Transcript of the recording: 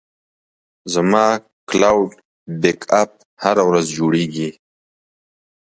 زما کلاوډ بیک اپ هره ورځ جوړېږي.